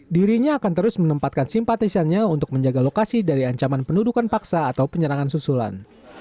dirinya akan terus menempatkan simpatisannya untuk menjaga lokasi dari ancaman pendudukan paksa atau penyerangan susulan